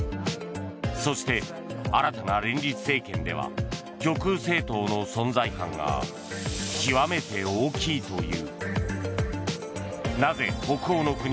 そして新たな連立政権では極右政党の存在感が極めて大きいという。